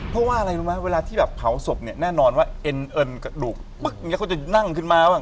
เพราะว่าเวลาที่แบบเผาศพเนี่ยแน่นอนนกระดูกเพราะจะนั่งขึ้นมาบ้าง